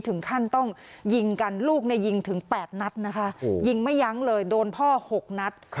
ถึงขั้นต้องยิงกันลูกยิงถึง๘นัดนะคะยิงไม่ยั้งเลยโดนพ่อ๖นัด